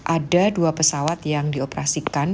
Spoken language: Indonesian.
ada dua pesawat yang dioperasikan